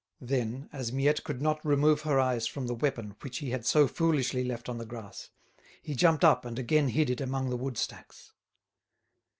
Then, as Miette could not remove her eyes from the weapon which he had so foolishly left on the grass, he jumped up and again hid it among the woodstacks.